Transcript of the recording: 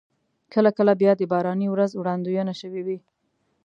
کله کله بیا د باراني ورځ وړاندوينه شوې وي.